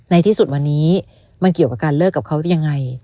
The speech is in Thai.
ในที่สุดวันนี้มันเกี่ยวกับการเลิกกับเขายังไง